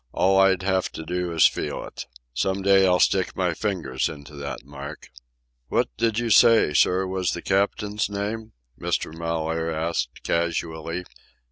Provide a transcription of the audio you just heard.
All I'd have to do is feel it. Some day I'll stick my fingers into that mark." "What did you say, sir, was the captain's name?" Mr. Mellaire asked casually.